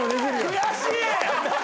悔しい！